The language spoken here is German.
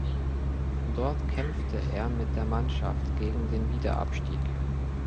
Dort kämpfte er mit der Mannschaft gegen den Wiederabstieg.